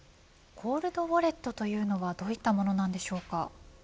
コールドウォレットというのはどういったものなんでしょうか。